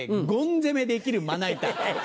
攻めできるまな板。